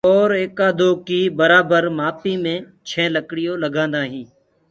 اور ايڪآ دو ڪي برآبر مآپي مي ڇي لڪڙيو لگآندآ هينٚ